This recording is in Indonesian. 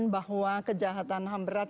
bahwa kejahatan hamberat